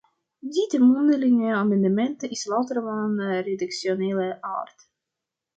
Dit mondelinge amendement is louter van redactionele aard.